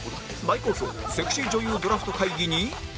大好評セクシー女優ドラフト会議に